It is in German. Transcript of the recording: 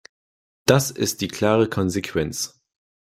Das ist die klare Konsequenz.